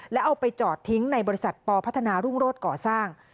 แล้วเอาไปจอดทิ้งในบริษัทปพัฒนารุ่งโรศก่อสร้าง